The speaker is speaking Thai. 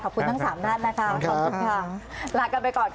ขอบคุณทั้ง๓นั้นนะคะขอบคุณค่ะลากันไปก่อนค่ะ